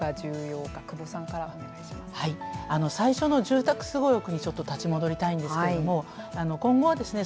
最初の住宅すごろくにちょっと立ち戻りたいんですけれども今後はですね